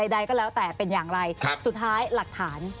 ใดก็แล้วแต่เป็นอย่างไรสุดท้ายหลักฐาน